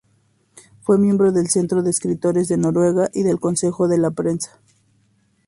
Fue miembro del Centro de Escritores de Noruega y del Consejo de la Prensa.